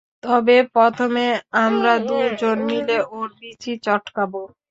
তবে, প্রথমে আমরা দুইজন মিলে ওর বিচি চটকাবো।